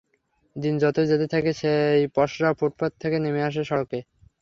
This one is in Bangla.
দিন যতই যেতে থাকে, সেই পসরা ফুটপাত থেকে নেমে আসে সড়কে।